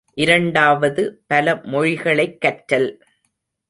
இரண்டாவது பல மொழிகளைக் கற்றல்.